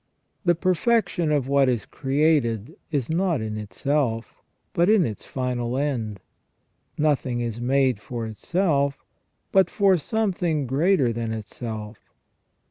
The perfection of what is created is not in itself, but in its final end. Nothing is made for itself, but for something greater than itself.